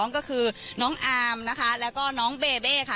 ก็คือน้องอาร์มนะคะแล้วก็น้องเบเบ้ค่ะ